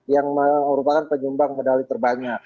yang merupakan penyumbang medali terbanyak